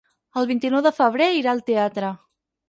El vint-i-nou de febrer irà al teatre.